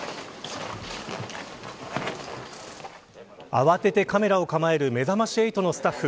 慌ててカメラを構えるめざまし８のスタッフ。